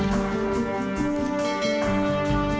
jadi betul bestari sedang mengandung